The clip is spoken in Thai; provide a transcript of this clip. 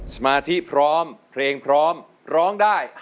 สมาธิพร้อมเพลงพร้อมร้องได้